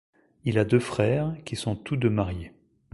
Il a deux frères, qui sont tous deux mariés.